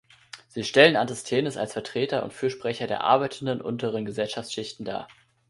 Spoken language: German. Sie stellen Antisthenes als Vertreter und Fürsprecher der arbeitenden, unteren Gesellschaftsschichten dar.